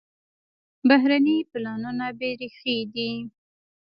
بهرني پلانونه بېریښې دي.